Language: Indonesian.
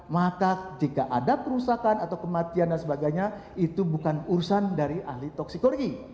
maka jika ada kerusakan atau kematian dan sebagainya itu bukan urusan dari ahli toksikologi